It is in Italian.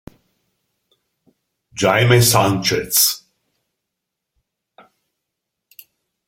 Jaime Sanchez